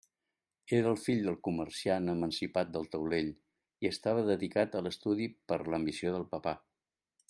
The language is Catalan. Era el fill del comerciant emancipat del taulell, i estava dedicat a l'estudi per l'ambició del papà.